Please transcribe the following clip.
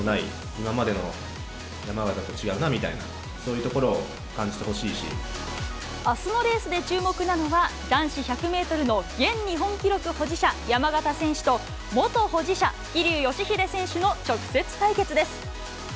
今までの山縣と違うなみたいな、あすのレースで注目なのは、男子１００メートルの現日本記録保持者、山縣選手と、元保持者、桐生祥秀選手の直接対決です。